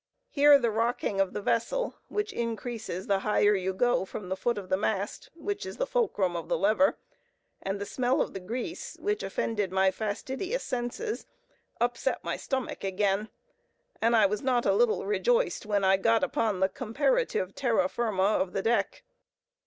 Here the rocking of the vessel, which increases the higher you go from the foot of the mast, which is the fulcrum of the lever, and the smell of the grease, which offended my fastidious senses, upset my stomach again, and I was not a little rejoiced when I got upon the comparative terra firma of the deck.